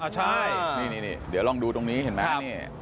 ใช่นี่เดี๋ยวลองดูตรงนี้เห็นไหม